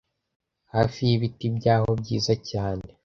hafi y ibiti byaho byiza cyane